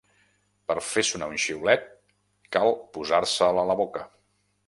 Per fer sonar un xiulet cal posar-se'l a la boca.